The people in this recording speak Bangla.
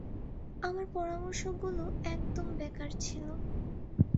আমার পরামর্শগুলো একদম বেকার ছিল।